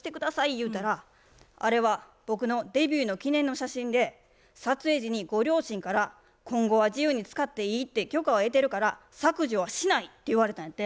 言うたら「あれは僕のデビューの記念の写真で撮影時にご両親から今後は自由に使っていいって許可を得てるから削除はしない」って言われたんやて。